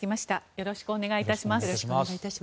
よろしくお願いします。